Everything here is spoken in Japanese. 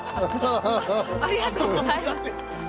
ありがとうございます